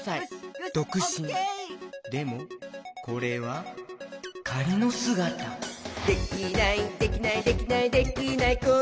でもこれはかりのすがた「できないできないできないできない子いないか」